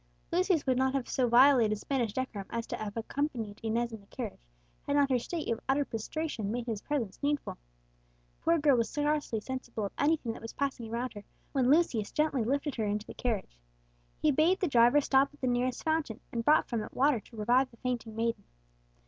Lucius would not have so violated Spanish decorum as to have accompanied Inez in the carriage, had not her state of utter prostration made his presence needful. The poor girl was scarcely sensible of anything that was passing around her when Lucius gently lifted her into the carriage. He bade the driver stop at the nearest fountain, and brought from it water to revive the fainting maiden.